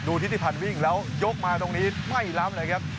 ดูที่ที่ผ่านวิ่งแล้วยกมาตรงนี้ไม่ล้ำเลยครับ